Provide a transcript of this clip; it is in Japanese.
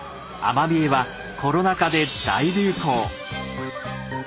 アマビエはコロナ禍で大流行。